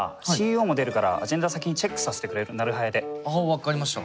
分かりました。